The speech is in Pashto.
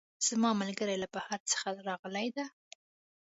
زما ملګرۍ له بهر څخه راغلی ده